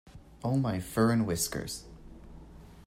Oh my fur and whiskers!